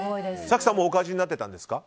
早紀さんもお感じになってたんですか？